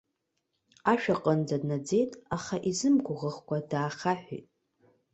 Ашә аҟынӡагьы днаӡеит, аха изымгәаӷькәа даахьаҳәит.